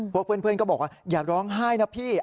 พวกเพื่อนก็บอกว่าอย่าร้องไห้นะพี่